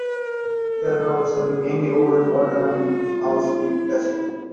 There are also many old wooden houses in the city.